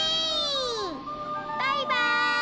バイバーイ！